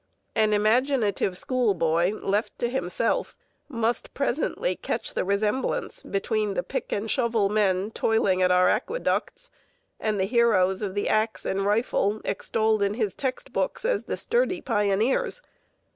An imaginative schoolboy left to himself must presently catch the resemblance between the pick and shovel men toiling at our aqueducts and the heroes of the axe and rifle extolled in his textbooks as the "sturdy pioneers."